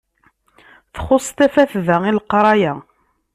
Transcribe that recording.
Txuṣṣ tafat da i leqraya.